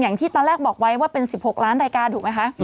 อย่างที่ตอนแรกบอกไว้ว่าเป็น๑๖ล้านรายการถูกไหมคะ